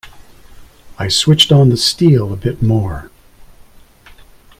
I switched on the steel a bit more.